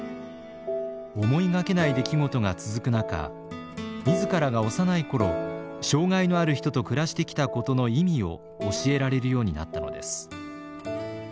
思いがけない出来事が続く中自らが幼い頃障害のある人と暮らしてきたことの意味を教えられるようになったのです。